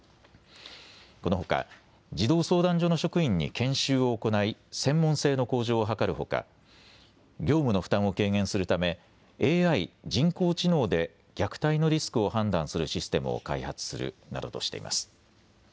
このほか児童相談所の職員に研修を行い専門性の向上を図るほか業務の負担を軽減するためＡＩ・人工知能で虐待のリスクを判断するシステムを開発するなどとしています。